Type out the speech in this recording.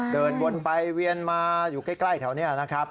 เดินวนไปเวียนมาอยู่ใกล้แถวนี้นะครับ